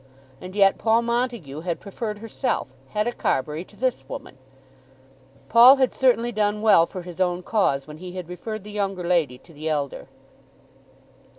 And yet Paul Montague had preferred herself, Hetta Carbury, to this woman! Paul had certainly done well for his own cause when he had referred the younger lady to the elder.